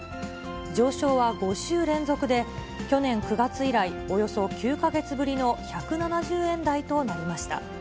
上昇は５週連続で、去年９月以来、およそ９か月ぶりの１７０円台となりました。